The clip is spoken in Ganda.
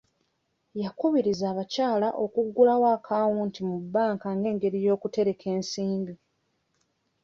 Yakubirizza abakyala okuggulawo akawunti mu bbanka nga engeri y'okutereka ensimbi.